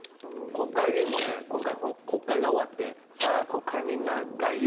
国会議員も今回、国会が終わってさあ、ここからみんな外遊。